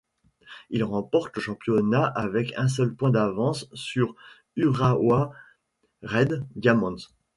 Il remporte le championnat avec un seul point d'avance sur Urawa Red Diamonds.